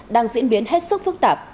đang diễn biến hết sức